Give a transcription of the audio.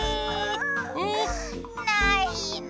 うん。ないの。